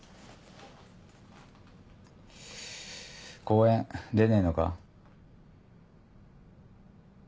公演出ねえのか？